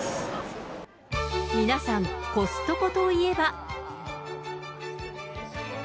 皆さん、コストコといえば。